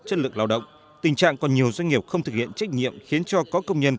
chất lượng lao động tình trạng còn nhiều doanh nghiệp không thực hiện trách nhiệm khiến cho có công nhân